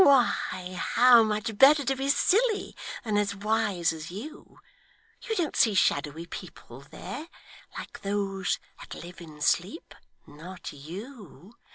Why, how much better to be silly, than as wise as you! You don't see shadowy people there, like those that live in sleep not you.